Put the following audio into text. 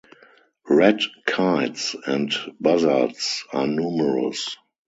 Red kites and buzzards are numerous.